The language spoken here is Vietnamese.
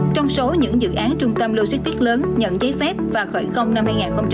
trong số những dự án trung tâm logistics lớn nhận giấy phép và khởi công năm hai nghìn hai mươi